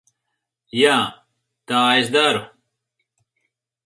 Jā, tā es daru.